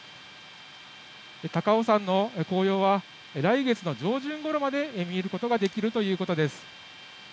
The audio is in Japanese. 高尾山の紅葉は来月の上旬ごろまで見ることができるということです。